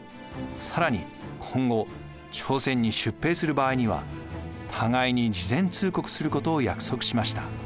更に今後朝鮮に出兵する場合には互いに事前通告することを約束しました。